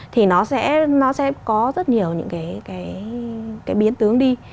thì nó sẽ có rất nhiều những cái biến tướng đi